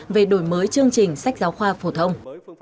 về đổi mới chương trình sách giáo khoa phổ thông